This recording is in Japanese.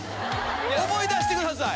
思い出してください。